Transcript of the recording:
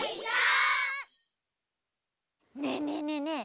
ねえねえねえねえ